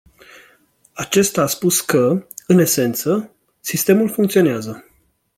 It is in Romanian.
Acesta a spus că, în esență, sistemul funcționează.